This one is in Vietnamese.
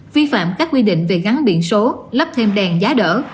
vi phạm các quy định về gắn biển số lắp thêm đèn giá đỡ